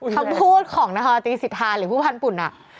คำพูดของนธตีศิษฐานหรือผู้พันธ์ฝุ่น